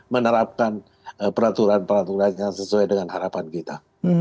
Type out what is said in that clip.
menerapkan peraturan peraturan yang sesuai dengan harapan kita